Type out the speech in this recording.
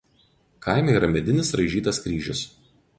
Kaime yra medinis raižytas kryžius.